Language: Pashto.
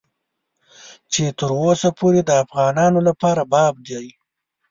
چې تر اوسه پورې د افغانانو لپاره باب دی.